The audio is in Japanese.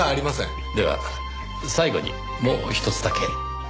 では最後にもうひとつだけ。